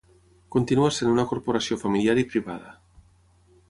Continua sent una corporació familiar i privada.